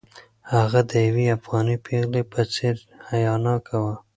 هغه د یوې افغانۍ پېغلې په څېر حیاناکه وه.